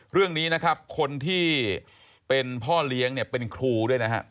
เรื่องนี้คนที่เป็นพ่อเลี้ยงเป็นครูด้วยนะครับ